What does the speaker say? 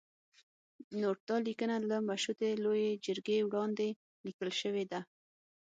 نوټ: دا لیکنه له مشورتي لویې جرګې وړاندې لیکل شوې ده.